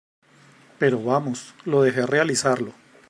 Pero vamos, lo deje realizarlo.